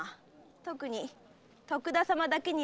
特に徳田様だけにはね。